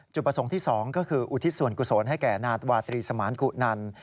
ประสงค์ที่๒ก็คืออุทิศส่วนกุศลให้แก่นาธวาตรีสมานกุนัน